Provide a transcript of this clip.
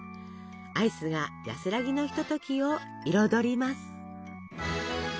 アイスが安らぎのひとときを彩ります。